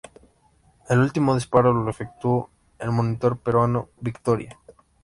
El último disparo lo efectuó el monitor peruano ""Victoria"".